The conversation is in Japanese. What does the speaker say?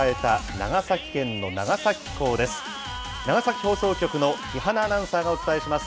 長崎放送局の木花アナウンサーがお伝えします。